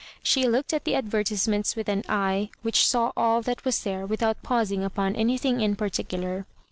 She looked at the advertisements with an eye whicli saw all that was there without pausing upon any thing in particular.